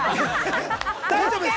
大丈夫です。